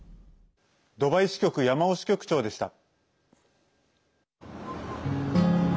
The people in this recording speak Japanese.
ドバイ支局、山尾支局長でした。